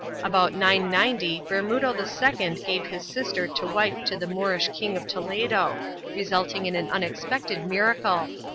3 About 990 Bermudo II gave his sister to wife to the Moorish King of Toledo, resulting in an unexpected miracle.